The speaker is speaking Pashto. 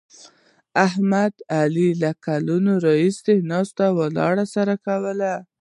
احمد او علي له کلونو راهسې ناسته ولاړه سره کوي.